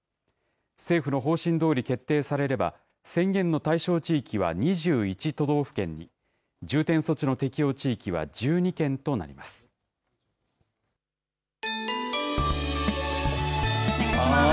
政府の方針どおり決定されれば、宣言の対象地域は２１都道府県に、重点措置の適用地域は１２県となります。